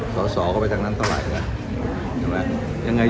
สอบก็ไปทั้งนั้นเท่าไหร่